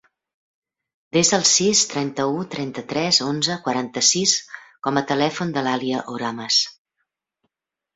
Desa el sis, trenta-u, trenta-tres, onze, quaranta-sis com a telèfon de l'Alia Oramas.